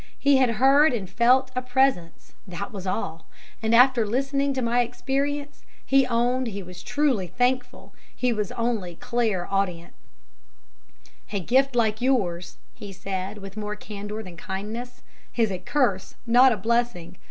He had heard and felt a Presence, that was all; and after listening to my experience, he owned he was truly thankful he was only clair audient. "A gift like yours," he said, with more candour than kindness, "is a curse, not a blessing.